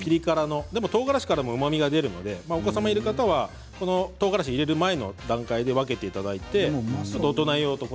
とうがらしからもうまみが出るのでお子様がいる時はとうがらしを入れる前に分けていただいて。